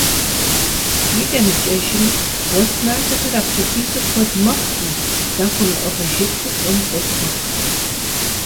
ИкӀэм икӀэжым, уэс налъэхэр апхуэдизу куэд мэхъури, захуэмыӀыгъыжыфу, щӀым къохуэх.